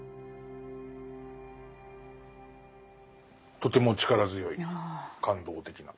とても力強い感動的な。